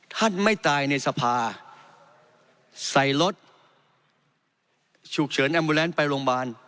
ไม่ตายในสภาใส่รถฉุกเฉินแอมโมแลนด์ไปโรงพยาบาล